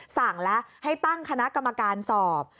สั่งแล้วให้ตั้งคณะกรรมการสอบ